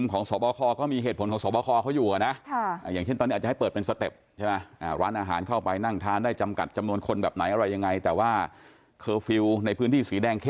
ก่อนคนหนึ่งถ้าไปดูคอนเสิร์ตสนุกมากว่าคงไม่ถอดหน้ากากแน่นอน